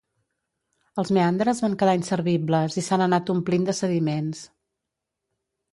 Els meandres van quedar inservibles i s'han anat omplint de sediments.